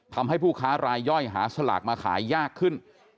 ทำให้ผู้ค้ารายย่อยหาสลากมาขายยากขึ้น